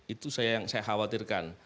itu yang saya khawatirkan